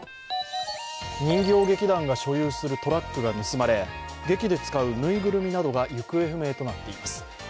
人形劇団が所有するトラックが盗まれ、劇で使うぬいぐるみなどが行方不明となっています。